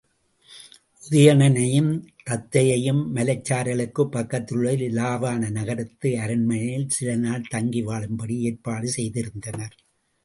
உதயணனையும் தத்தையையும் மலைச்சாரலுக்குப் பக்கத்தில் உள்ள இலாவாண நகரத்து அரண்மனையில் சில நாள் தங்கி வாழும்படி ஏற்பாடு செய்திருந்தனர்.